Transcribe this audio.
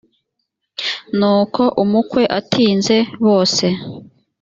nuko umukwe atinze bose